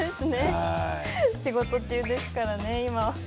仕事中ですからね、今。